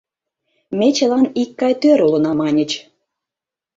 Ме чылан икгай тӧр улына», – маньыч.